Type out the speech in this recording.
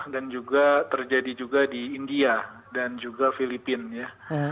dan juga terjadi juga di india dan juga filipina ya